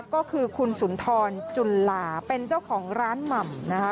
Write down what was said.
ก็คือคุณสุนทรจุลลาเป็นเจ้าของร้านหม่ำนะคะ